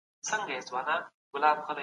د غزل تــورو شـرهــارۍ